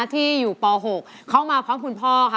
ที่อยู่ป๖เข้ามาพร้อมคุณพ่อค่ะ